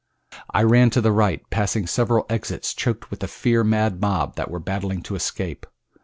I ran to the right, passing several exits choked with the fear mad mob that were battling to escape.